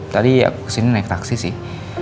tadi ya kesini naik taksi sih